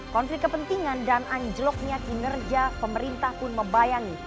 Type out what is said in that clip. konflik kepentingan dan anjloknya kinerja pemerintah pun membayangi